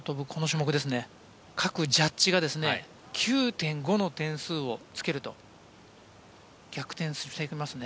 各ジャッジが９．５の点数をつけると逆転していきますね。